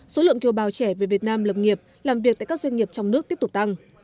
số lượng kiều bào trẻ về việt nam lập nghiệp làm việc tại các doanh nghiệp trong nước tiếp tục tăng